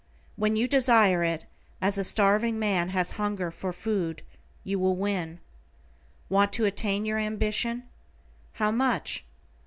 When you desire it as a starving man has hunger for food, you will win. Want to attain your ambition? How much?